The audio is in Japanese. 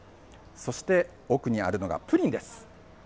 そして奥にあるのがプリンです。